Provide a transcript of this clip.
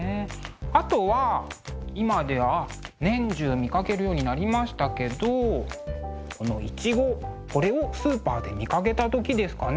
あとは今では年中見かけるようになりましたけどこのいちごこれをスーパーで見かけた時ですかね。